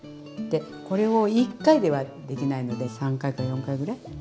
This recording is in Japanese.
でこれを１回ではできないので３回か４回ぐらい？